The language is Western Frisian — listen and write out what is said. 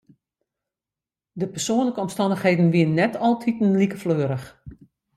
De persoanlike omstannichheden wiene net altiten like fleurich.